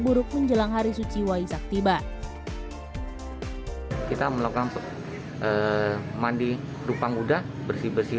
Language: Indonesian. buruk menjelang hari suci waisak tiba kita melakukan mandi rupang kuda bersih bersih